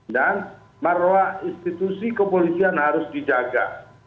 dan maruah institusi kepolisian harus dijaga